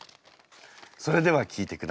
それでは聴いてください。